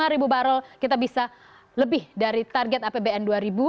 delapan ratus dua puluh lima ribu barrel kita bisa lebih dari target apbn dua ribu tujuh belas